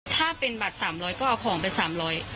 ถ้าเป็นบัตร๓๐๐ก็เอาของไป๓๐๐บาท